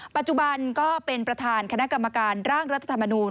ปัจจุบันก็เป็นประธานคณะกรรมการร่างรัฐธรรมนูล